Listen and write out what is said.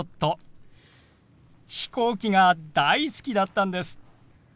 飛行機が大好きだったんです。